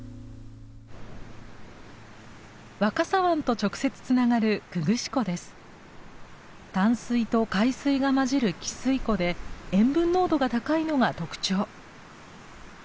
若狭湾と直接つながる淡水と海水が混じる汽水湖で塩分濃度が高いのが特徴。